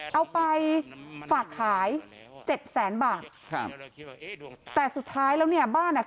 เอาไปฝากขาย๗๐๐๐๐๐บาทแต่สุดท้ายแล้วเนี่ยบ้านอะ